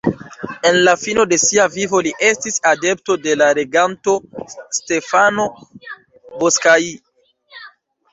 En la fino de sia vivo li estis adepto de la reganto Stefano Bocskai.